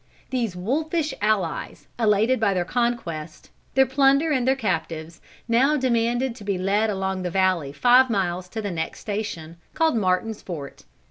These wolfish allies, elated by their conquest, their plunder and their captives, now demanded to be led along the valley five miles to the next station, called Martin's Fort.